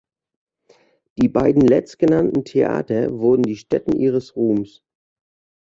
Die beiden letztgenannten Theater wurden die Stätten ihres Ruhms.